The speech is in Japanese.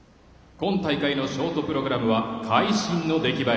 今大会のショートプログラムは改心の出来栄え。